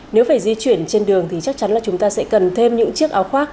nếu phải di chuyển trên đường thì chắc chắn là chúng ta sẽ cần thêm những chiếc áo khoác